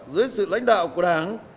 dưới sự lãnh đạo của đảng